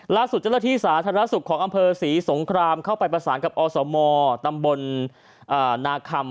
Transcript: ล่าสุดเจ้าหน้าที่สาธารณสุขของอำเภอศรีสงครามเข้าไปประสานกับอสมตำบลนาคำ